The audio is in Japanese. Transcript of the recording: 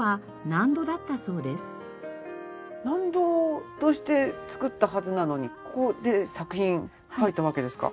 納戸として作ったはずなのにここで作品書いたわけですか？